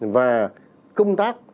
và công tác